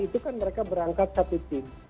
itu kan mereka berangkat satu tim